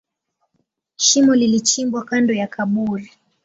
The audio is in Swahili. Shimo lilichimbwa kando ya kaburi.